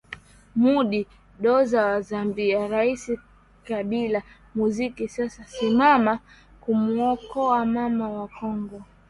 mudi dosa wa zambia rais kabila muziki sasa simama kumuokoa mama wa congo